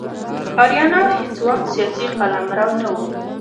آریانا هیڅ وخت سیاسي قلمرو نه و.